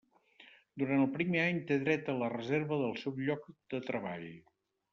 Durant el primer any té dret a la reserva del seu lloc de treball.